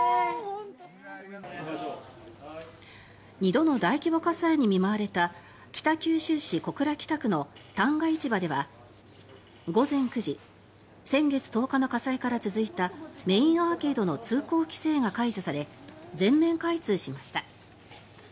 ２度の大規模火災に見舞われた北九州市小倉北区の旦過市場では午前９時先月１０日の火災から続いたメインアーケードの通行規制が解除され全面開通しました。